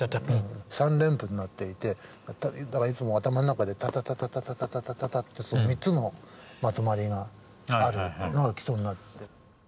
３連符になっていてだからいつも頭の中でタタタタタタタタタって３つのまとまりがあるのが基礎になってる。